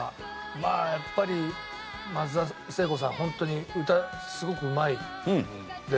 まあやっぱり松田聖子さんはホントに歌すごくうまいです。